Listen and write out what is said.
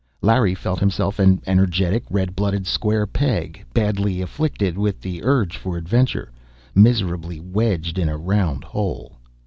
Larry felt himself an energetic, red blooded square peg, badly afflicted with the urge for adventure, miserably wedged in a round hole.